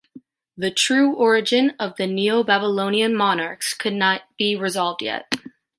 The true origin of the Neo-Babylonian monarchs could not be resolved yet.